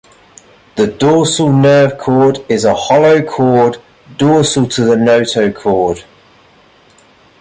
The dorsal nerve cord is a hollow cord dorsal to the notochord.